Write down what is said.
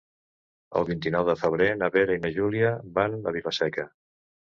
El vint-i-nou de febrer na Vera i na Júlia van a Vila-seca.